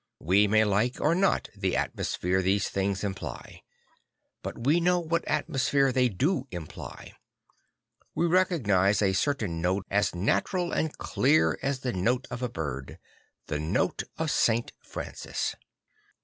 We may like or not the atmo sphere these things imply; but we know what atmosphere they do imply. We recognise a certain note as natural and clear as the note of a bird the note of St. Francis.